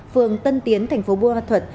phường tân tiến thành phố bùi ma thuật